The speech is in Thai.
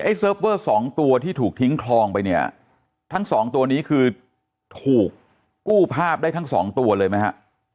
เซิร์ฟเวอร์สองตัวที่ถูกทิ้งคลองไปเนี่ยทั้งสองตัวนี้คือถูกกู้ภาพได้ทั้งสองตัวเลยไหมฮะ